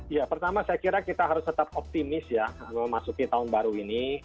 ya pertama saya kira kita harus tetap optimis ya memasuki tahun baru ini